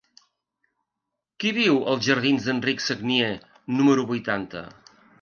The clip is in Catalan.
Qui viu als jardins d'Enric Sagnier número vuitanta?